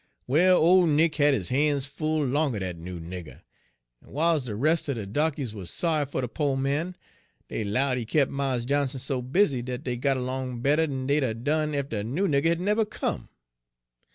"Well, Ole Nick had 'is han's full long er dat noo nigger; en w'iles de res' er de darkies wuz sorry fer de po' man, dey 'lowed he kep' Mars Johnson so busy dat dey got along better'n dey'd 'a' done ef de noo nigger had nebber come.